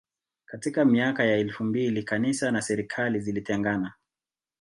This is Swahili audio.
Katika miaka ya elfu mbili kanisa na serikali zilitengana